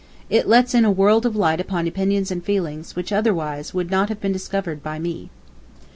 It lets in a world of light upon opinions and feelings, which, otherwise, would not have been discovered by me.